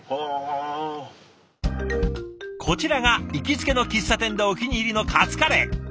こちらが行きつけの喫茶店でお気に入りのカツカレー。